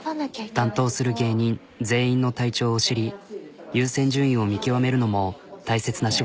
担当する芸人全員の体調を知り優先順位を見極めるのも大切な仕事。